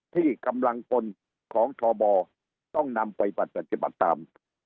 ที่กำลังพลของทบต้องนำไปปฏิบัติตาม